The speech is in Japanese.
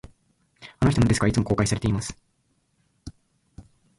あの人のデスクは、いつも公開されています